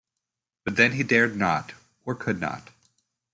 But then he dared not — or could not.